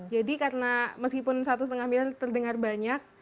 jadi karena meskipun satu lima miliar terdengar banyak